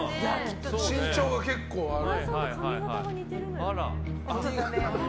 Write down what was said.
身長が結構ある。